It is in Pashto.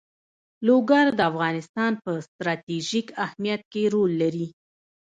لوگر د افغانستان په ستراتیژیک اهمیت کې رول لري.